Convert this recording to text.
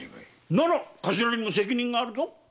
なら頭にも責任があるぞ！